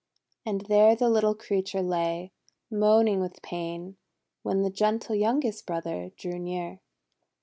And there the little creature lay, moaning with pain, when the gentle youngest brother drew near.